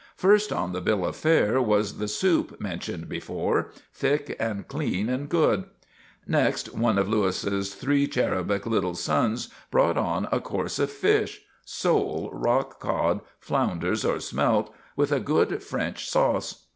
First on the bill of fare was the soup mentioned before thick and clean and good. Next, one of Louis' three cherubic little sons brought on a course of fish sole, rock cod, flounders or smelt with a good French sauce.